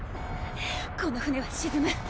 この艦は沈む。